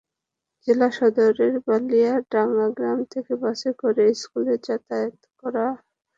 জেলা সদরের বালিয়াডাঙ্গা গ্রাম থেকে বাসে করে স্কুলে যাতায়াত করে তারা।